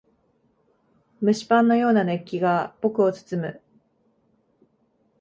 蒸しパンのような熱気が僕を包む。